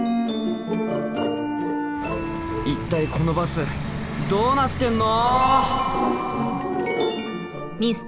一体このバスどうなってんの！